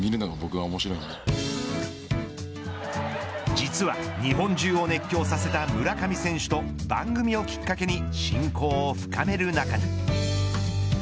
実は、日本中を熱狂させた村上選手と番組をきっかけに親交を深める仲に。